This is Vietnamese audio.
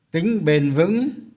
tính bền vững